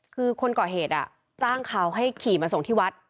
คือคนก่อเหตุจ้างเขาให้ขี่มาส่งที่วัด